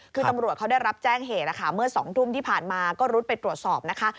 คือตำรวจเขาได้รับแจ้งเหตุนะคะเมื่อ๒ทุ่มที่ผ่านมาก็รุดไปตรวจสอบนะคะ